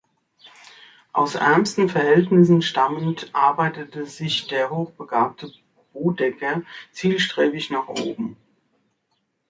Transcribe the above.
Aus ärmsten Verhältnissen stammend, arbeitete sich der hochbegabte Bodecker zielstrebig nach oben.